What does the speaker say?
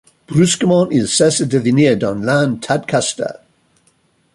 Brusquement il cessa de venir dans l’inn Tadcaster.